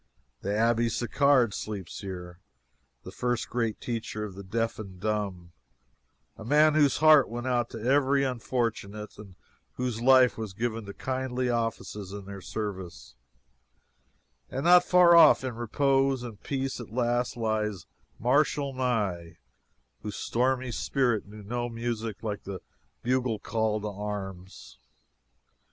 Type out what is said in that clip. The Abbe Sicard sleeps here the first great teacher of the deaf and dumb a man whose heart went out to every unfortunate, and whose life was given to kindly offices in their service; and not far off, in repose and peace at last, lies Marshal Ney, whose stormy spirit knew no music like the bugle call to arms.